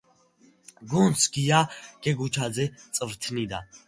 გუნდს გია გეგუჩაძე წვრთნიდა.